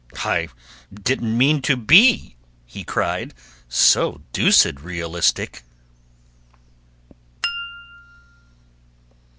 "I didn't mean to be," he cried, "So deuced realistic!"